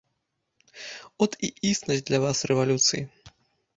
От і існасць для вас рэвалюцыі.